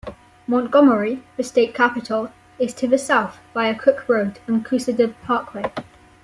Montgomery, the state capital, is to the south via Cook Road and Coosada Parkway.